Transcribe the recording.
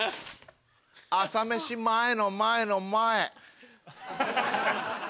朝飯前の前の前。